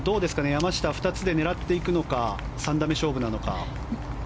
山下、２つで狙っていくのか３打目勝負なのか。